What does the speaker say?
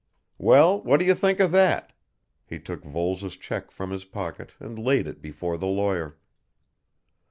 "Well, what do you think of that?" He took Voles' cheque from his pocket and laid it before the lawyer.